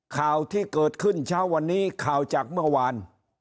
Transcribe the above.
ข่าวที่เกิดขึ้นเช้าวันนี้ข่าวจากเมื่อวาน